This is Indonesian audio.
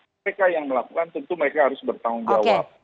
mereka yang melakukan tentu mereka harus bertanggung jawab